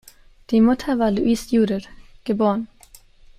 Die Mutter war Louise Judith, geb.